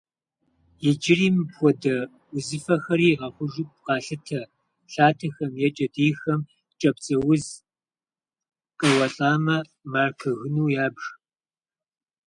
Иджыри мыпхуэдэ узыфэхэри игъэхъужу къалъытэ: лъатэхэм е кӏэтӏийхэм кӏапцӏэуз къеуэлӏамэ, маркуэ гынуи ябж.